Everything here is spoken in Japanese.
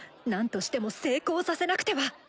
何としても成功させなくては！